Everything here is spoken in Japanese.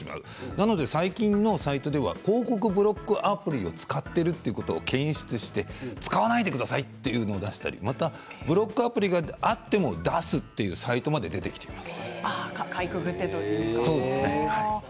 なので最近のサイトでは広告のブロックアプリを使っているというのを検出して使わないでくださいというメッセージを出したりブロックアプリがあったとしても広告を出すということがあります。